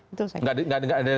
itu saya kira